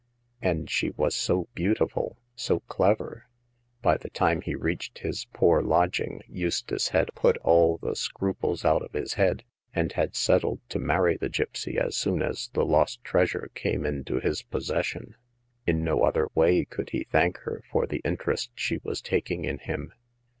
And she was so beautiful, so clever! By the time he reached his poor lodging Eustace had put all scruples out of his head, and had settled to marry the gipsy as soon as the lost treasure came into his possession. In no other way could he thank her for the interest she was taking in him.